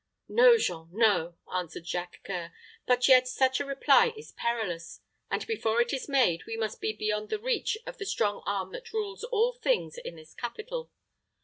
"No, Jean, no," answered Jacques C[oe]ur; "but yet such a reply is perilous; and before it is made, we must be beyond the reach of the strong arm that rules all things in this capital.